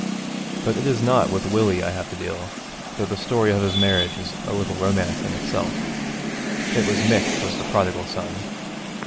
But it is not with Willie I have to deal, though the story of his marriage is a little romance in itself. It was Mick was the prodigal son.